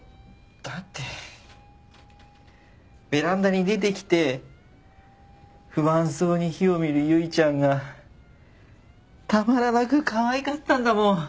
だってベランダに出てきて不安そうに火を見る由衣ちゃんがたまらなくかわいかったんだもん。